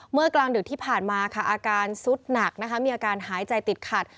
กลางดึกที่ผ่านมาค่ะอาการสุดหนักนะคะมีอาการหายใจติดขัด